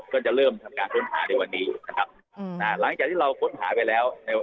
ก็จะเริ่มทำการค้นหาในวันนี้นะครับหลังจากที่เราค้นหาไปแล้วใน